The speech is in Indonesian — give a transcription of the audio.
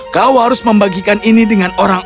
kau harus membagikan ini dengan orang